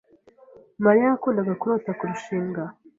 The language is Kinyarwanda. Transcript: Mariya yakundaga kurota kurushinga.